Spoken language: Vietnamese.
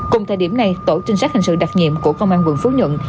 cùng thời điểm này tổ trinh sát hình sự đặc nhiệm của công an tp hcm